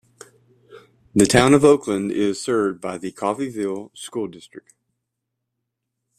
The Town of Oakland is served by the Coffeeville School District.